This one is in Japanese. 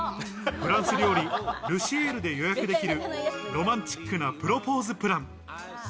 フランス料理ルシエールで予約できる、ロマンチックなプロポーズプラン。